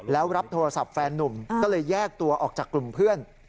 แล้วรับโทรศัพท์แฟนนุ่มก็เลยแยกตัวออกจากกลุ่มเพื่อน